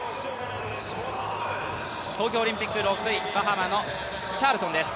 東京オリンピック６位、バハマのチャールトンです。